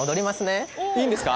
いいんですか？